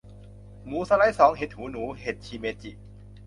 หมูสไลด์สอง เห็ดหูหนู เห็ดชิเมจิ